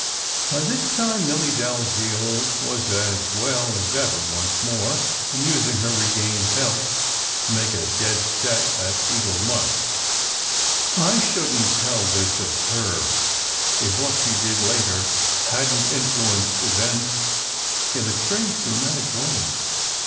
By this time Milly Dalziel was as well as ever once more, and using her regained health to make a "dead set" at Eagle March. (I shouldn t tell this of her, if what she did later hadn t influenced events in a strange, dramatic way.)